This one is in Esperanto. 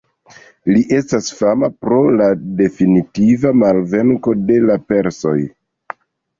Li estas fama pro la definitiva malvenko de la persoj.